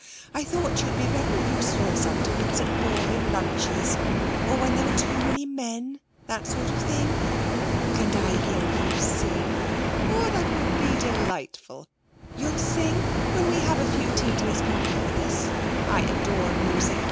I thought you'd be very useful sometimes at boring lunches, or when there were too many men that sort of thing. And I hear you sing. Oh, that will be delightful! You'll sing when we have a few tedious people with us? I adore music.